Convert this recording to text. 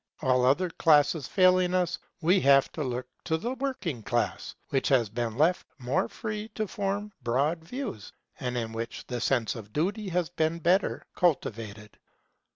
All other classes failing us, we have to look to the working class, which has been left more free to form broad views, and in which the sense of duty has been better cultivated.